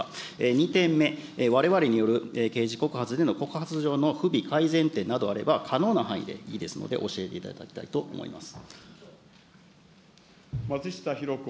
２点目、われわれによる刑事告発での告発状の不備、改善点などあれば、可能な範囲でいいですので、教えていただきたいと思います。